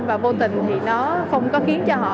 và vô tình thì nó không có khiến cho họ